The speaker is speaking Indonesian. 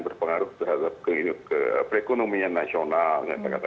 berpengaruh terhadap perekonomian nasional